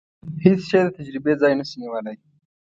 هیڅ شی د تجربې ځای نشي نیولای.